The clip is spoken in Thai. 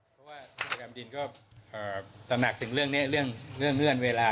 เพราะว่าผู้ตรวจการแผ่นดินก็ตะหนักถึงเรื่องเงื่อนเวลา